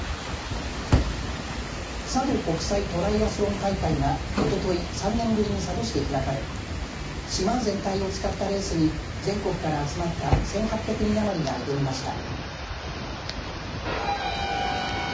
佐渡国際トライアスロン大会がおととい３年ぶりに佐渡市で開かれ島全体を使ったレースに全国から集まった１８００人余りが挑みました。